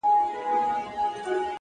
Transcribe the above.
د حقیقت درناوی حکمت زیاتوي،